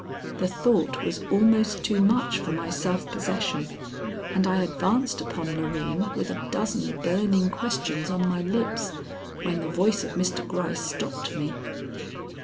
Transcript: The thought was almost too much for my self possession, and I advanced upon Loreen with a dozen burning questions on my lips when the voice of Mr. Gryce stopped me.